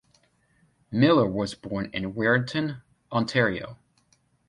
Miller was born in Wiarton, Ontario.